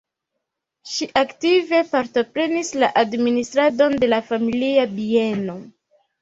Ŝi aktive partoprenis la administradon de la familia bieno.